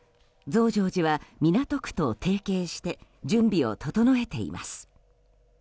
増上寺は港区と提携して準備を整えています。